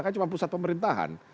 kan cuma pusat pemerintahan